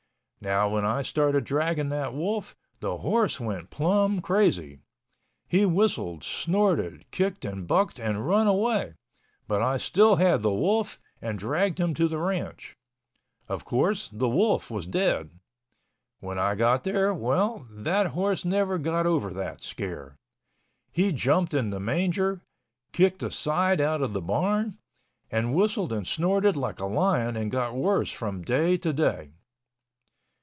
Now when I started dragging that wolf, the horse went plumb crazy. He whistled, snorted, kicked and bucked and run away, but I still had the wolf and dragged him to the ranch. Of course, the wolf was dead. When I got there—well, that horse never got over that scare. He jumped in the manger, kicked the side out of the barn, and whistled and snorted like a lion and got worse from day to day.